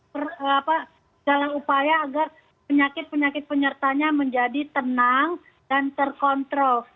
segala upaya agar penyakit penyakit penyertanya menjadi tenang dan terkontrol